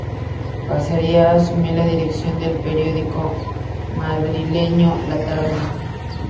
Pasaría a asumir la dirección del periódico madrileño "La Tarde.